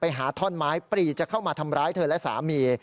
หาท่อนไม้ปรีจะเข้ามาทำร้ายเธอและสามี